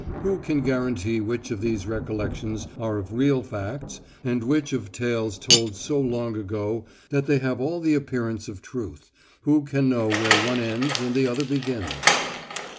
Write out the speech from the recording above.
Who can guarantee which of these recollections are of real facts and which of tales told so long ago that they have all the appearance of truth who can know where one ends and the other begins?